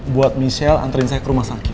buat michelle antrin saya ke rumah sakit